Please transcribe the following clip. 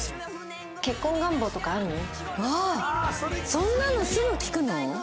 そんなのすぐ聞くの？